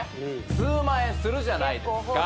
数万円するじゃないですか